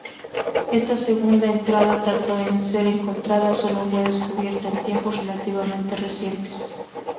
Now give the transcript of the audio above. Esta segunda entrada tardó en ser encontrada, sólo fue descubierta en tiempos relativamente recientes.